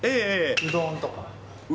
うどんとか。